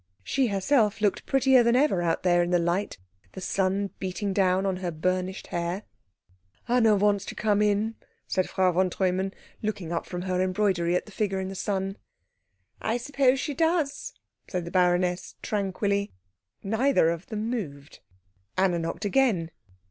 She herself looked prettier than ever out there in the light, the sun beating down on her burnished hair. "Anna wants to come in," said Frau von Treumann, looking up from her embroidery at the figure in the sun. "I suppose she does," said the baroness tranquilly. Neither of them moved. Anna knocked again.